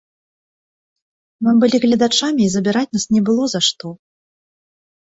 Мы былі гледачамі і забіраць нас не было за што.